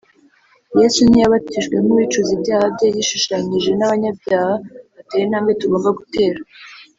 Yesu ntiyabatijwe nk’uwicuza ibyaha bye. Yishushanyije n’abanyabyaha, atera intambwe tugomba gutera